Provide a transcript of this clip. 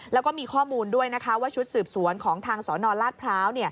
แล้วก็มีข้อมูลด้วยนะคะว่าชุดสืบสวนของทางสนราชพร้าว